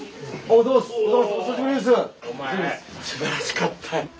お前すばらしかったよ。